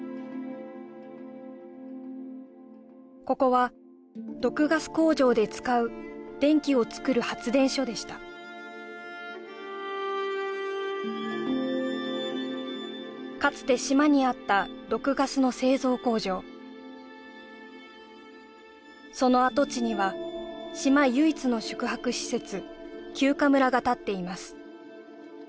ここは毒ガス工場で使う電気をつくる発電所でしたかつて島にあった毒ガスの製造工場その跡地には島唯一の宿泊施設休暇村がたっています